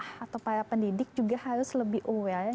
pihak sekolah atau para pendidik juga harus lebih aware